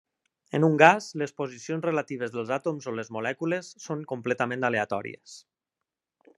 En un gas les posicions relatives dels àtoms o les molècules són completament aleatòries.